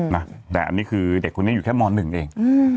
แต่เด็กนี้เหมือนเด็กคนนี้อยู่แค่ม๑เอง